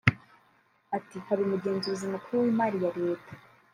Ati “Hari umugenzuzi mukuru w’imari ya leta